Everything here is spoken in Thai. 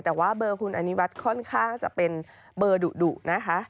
แต่ว่าเบอร์คุณอนิวัฒน์ค่อนข้างจะเป็นเบอร์ดุนะคะ